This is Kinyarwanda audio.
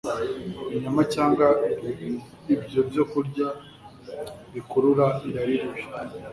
inyama cyangwa ibyo byokurya bikurura irari ribi